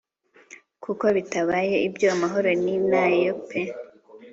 kuko bitabaye ibyo amahoro ni ntayo pe